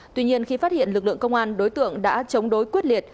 tuy nhiên khi phát hiện lực lượng công an đối tượng đã chống đối quyết liệt